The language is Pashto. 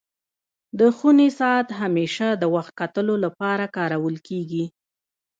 د خوني ساعت همېشه د وخت کتلو لپاره کارول کيږي.